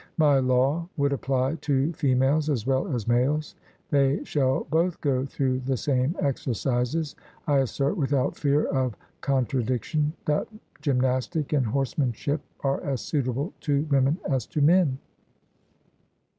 My law would apply to females as well as males; they shall both go through the same exercises. I assert without fear of contradiction that gymnastic and horsemanship are as suitable to women as to men.